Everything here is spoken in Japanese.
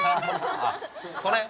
あっそれ？